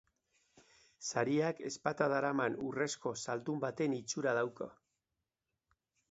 Sariak ezpata daraman urrezko zaldun baten itxura dauka.